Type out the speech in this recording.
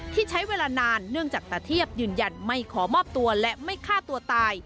ที่ใช้เวลานานเนื่องจากตาเทียบยืนยันไม่ขอมอบตัวและไม่ฆ่าตัวตาย